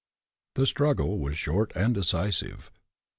The struggle was short and decisive.